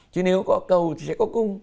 chứ nếu có cầu thì sẽ có cung